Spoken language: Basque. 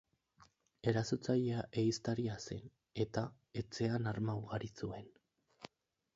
Erasotzailea ehiztaria zen eta etxean arma ugari zuen.